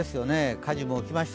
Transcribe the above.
火事も起きました。